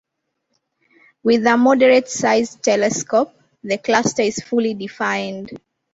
With a moderate-sized telescope, the cluster is fully defined.